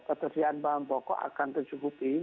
ketersediaan bahan pokok akan tercukupi